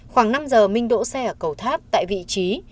khoảng năm giờ minh đỗ xe ở cầu tháp tại vị trí